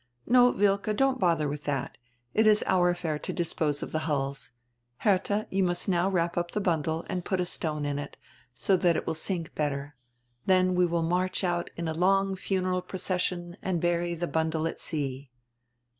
"No, Wilke, don't bother with that It is our affair to dispose of die hulls — Hertha, you must now wrap up the bundle and put a stone in it, so diat it will sink better. Then we will march out in a long funeral procession and bury the bundle at sea."